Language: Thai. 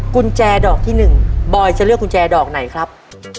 กุญแจดอกที่๑บอยจะเลือกกุญแจดอกไหนครับ